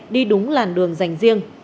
đi đúng làn đường dành riêng